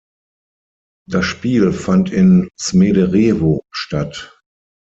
Das Spiel fand in Smederevo statt.